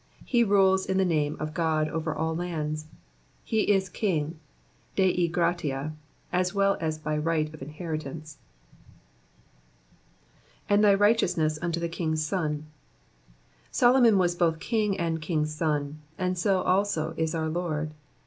He rules in the name of God over all lands. He is king Dei Gratia'' as well as by right of inheritance. ''And thy righteousness unto t/ie king'' a son,'''' Solomon was both king and king^s son ; 80 also is our Lord.